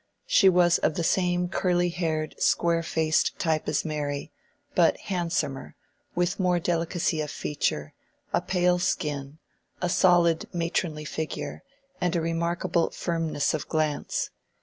She was of the same curly haired, square faced type as Mary, but handsomer, with more delicacy of feature, a pale skin, a solid matronly figure, and a remarkable firmness of glance.